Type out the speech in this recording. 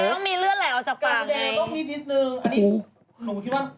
ทำไมเนี่ยทุกคนไกลพวกมันก็มีเลือดไหล่ออกจากปากไง